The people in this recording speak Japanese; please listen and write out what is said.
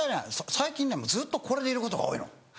最近ねずっとこれでいることが多いの。